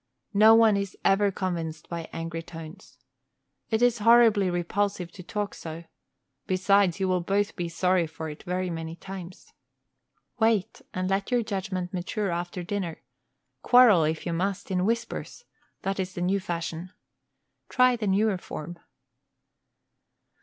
No one is ever convinced by angry tones. It is horribly repulsive to talk so; besides, you will both be sorry for it very many times. Wait, and let your judgment mature after dinner; quarrel, if you must, in whispers; that is the new fashion. Try the newer form.